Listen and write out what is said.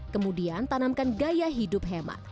kemudian tanamkan gaya hidup hemat